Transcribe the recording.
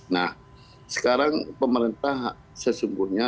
nah sekarang pemerintah sesungguhnya